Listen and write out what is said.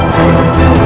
aku mau pergi